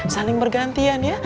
saling bergantian ya